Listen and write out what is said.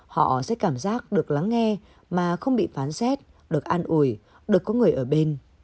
họ sẽ cảm giác được lắng nghe mà không bị phán rét được an ủi được có người ở bên